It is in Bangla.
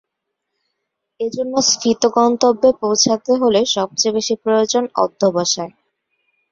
এজন্য স্ফীত গন্তব্যে পৌছাতে হলে সবচেয়ে বেশি প্রয়োজন অধ্যবসায়।